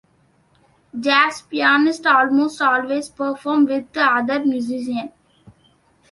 Jazz pianists almost always perform with other musicians.